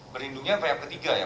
berlindungnya pihak ketiga